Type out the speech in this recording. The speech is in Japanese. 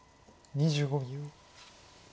２５秒。